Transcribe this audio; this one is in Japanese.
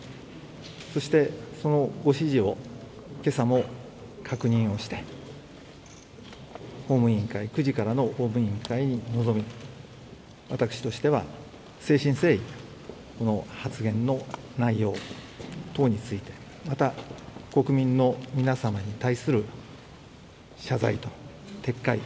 そして、そのご指示を今朝も確認をして９時からの法務委員会に臨み私としては、誠心誠意発言の内容等についてまた、国民の皆様に対する謝罪と撤回。